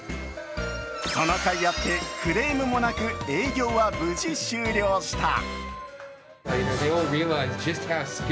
その甲斐あってクレームもなく営業は無事終了した。